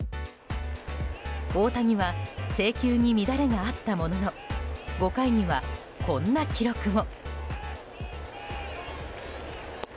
大谷は制球に乱れがあったものの５回には、こんな記録も。